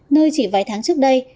nơi chỉ vài tháng trước đây